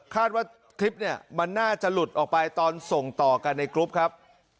ว่าคลิปเนี่ยมันน่าจะหลุดออกไปตอนส่งต่อกันในกรุ๊ปครับ